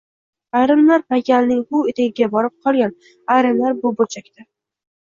ayrimlar paykalning huv etagiga borib qolgan, ayrimlar bu burchakda.